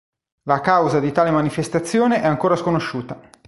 La causa di tale manifestazione è ancora sconosciuta.